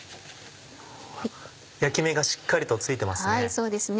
焼き目がしっかりとついてますね。